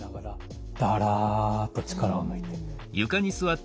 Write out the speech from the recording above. だらっと力を抜いて。